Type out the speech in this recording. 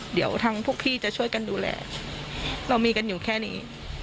เดี๋ยวทางพวกพี่จะช่วยกันดูแลเรามีกันอยู่แค่นี้